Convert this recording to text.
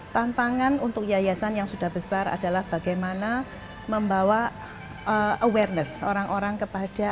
tantangan untuk yayasan yang sudah besar adalah bagaimana membawa awareness orang orang kepada